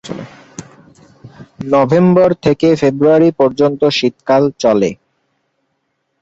November থেকে February পর্যন্ত শীতকাল চলে।